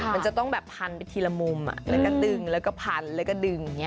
มันจะต้องแบบพันไปทีละมุมแล้วก็ดึงแล้วก็พันแล้วก็ดึงอย่างนี้